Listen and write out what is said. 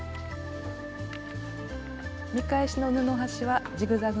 見返しの布端はジグザグ